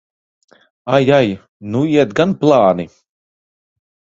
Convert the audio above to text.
Ai, ai! Nu iet gan plāni!